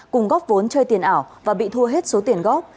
cùng góp vốn chơi tiền ảo và bị thua hết số tiền góp